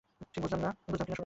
ঠিক বুঝলাম কি না, শোনো তো।